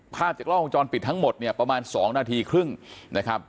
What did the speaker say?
ภาพจากล้องวงจรปิดทั้งหมดเนี่ยประมาณ๒นาทีครึ่งนะครับ